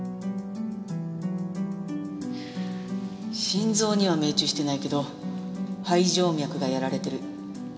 心臓には命中してないけど肺静脈がやられてる。